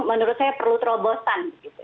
menurut saya perlu terobosan